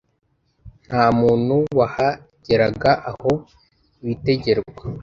nta muntu wahageraga aho bitegerwa